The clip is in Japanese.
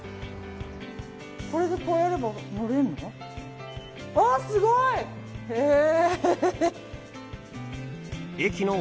これでこうやれば乗れるの？